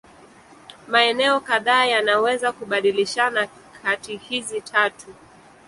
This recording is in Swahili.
Maeneo kadhaa yanaweza kubadilishana kati hizi tatu.